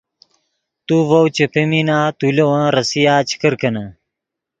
تو ڤؤ چے پیمینا تو لے ون ریسیا چے کرکینے